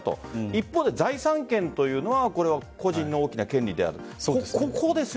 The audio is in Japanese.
一方、財産権というのは個人の大きな権利である。